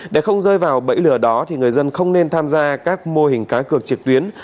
để không rơi vào bẫy lừa đó thì người dân không nên tham gia các mô hình cá cược trực tuyến